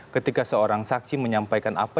ketika seorang saksi menyampaikan apa